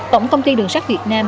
tổng công ty đường sát việt nam